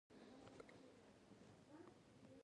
نپوهیږم مبایل مې ریسټارټ سره هم جوړ نشو، اوس به یې ریسټور کړم